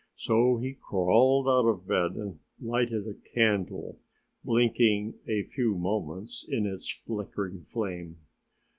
So he crawled out of bed and lighted a candle, blinking a few moments in its flickering flame.